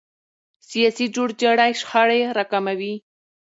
سیاسي جوړجاړی شخړې راکموي